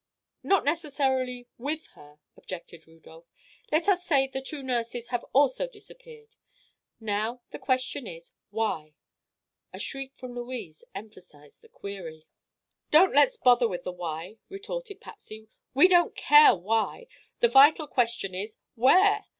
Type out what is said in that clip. "Not necessarily with her," objected Rudolph. "Let us say the two nurses have also disappeared. Now, the question is, why?" A shriek from Louise emphasised the query. "Don't let's bother with the 'why?'" retorted Patsy. "We don't care why. The vital question is 'where?